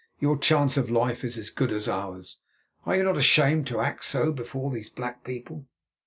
Your chance of life is as good as ours. Are you not ashamed to act so before these black people?"